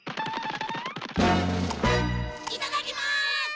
いただきます！